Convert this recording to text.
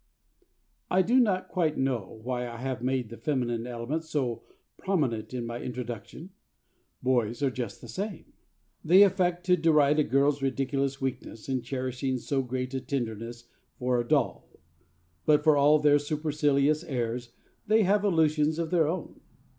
I do not quite know why I have made the feminine element so prominent in my introduction. Boys are just the same. They affect to deride a girl's ridiculous weakness in cherishing so great a tenderness for a doll; but, for all their supercilious airs, they have illusions of their own.